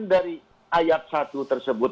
dari ayat satu tersebut